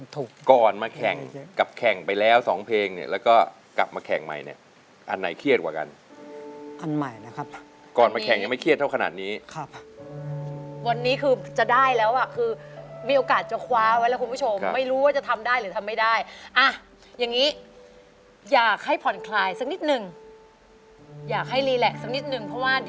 ตื่นมา๒๓อาทิตย์เอามาร้องเพลงมาซ้อมร้องเพลงครับ